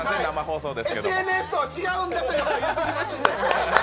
ＳＮＳとは違うんだということは言っておきますので。